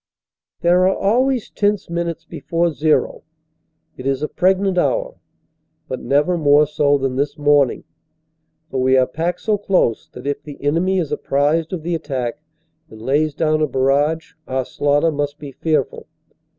There are always tense minutes before "zero." It is a preg nant hour. But never more so than this morning, for we are packed so close that if the enemy is apprised of the attack and lays down a barrage our slaughter must be fearful.